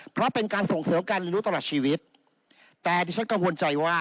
เพราะเป็นการส่งเสริมการเรียนรู้ตลอดชีวิตแต่ดิฉันกังวลใจว่า